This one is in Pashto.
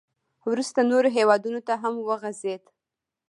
• وروسته نورو هېوادونو ته هم وغځېد.